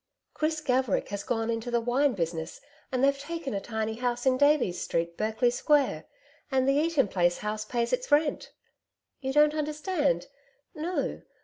'Chris Gaverick has gone into the wine business, and they've taken a tiny house in Davies Street, Berkeley Square, and the Eaton Place house pays its rent ... You don't understand? ... No....